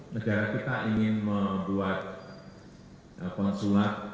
negara kita ingin membuat konsulat